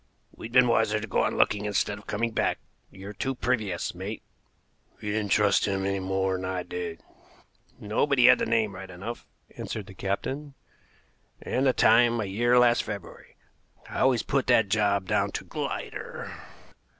"We'd been wiser to go on looking instead of coming back. You're too previous, mate." "You didn't trust him any more'n I did." "No; but he had the name right enough," answered the captain, "and the time a year last February. I always put that job down to Glider.